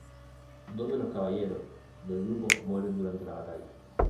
Dos de los Caballeros del grupo mueren durante la batalla.